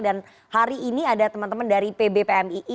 dan hari ini ada teman teman dari pb pmii